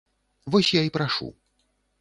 Вось я і прашу.